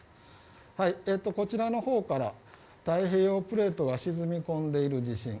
こちらのほうから太平洋プレートが沈み込んでいる地震。